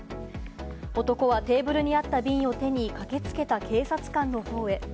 男はテーブルにあった瓶を手に駆け付けた警察官の方へ。